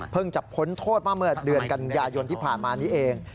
จะพ้นโทษมาเมื่อเดือนกันยายนที่ผ่านมานี้เอง